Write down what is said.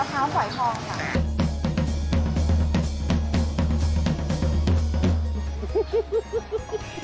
ขาพภัยของค่ะ